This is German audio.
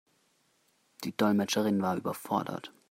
Die Dolmetscherin war überfordert.